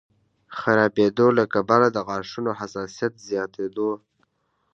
خرابېدو له کبله د غاښونو حساسیت زیاتېدو